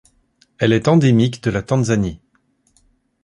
Elle est endémique de la Tanzanie.